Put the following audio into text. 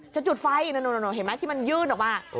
จุดไฟเห็นไหมที่มันยื่นออกมา